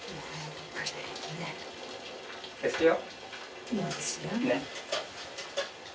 消すよ。